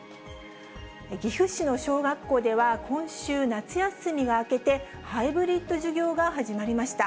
岐阜市の小学校では、今週、夏休みが明けて、ハイブリッド授業が始まりました。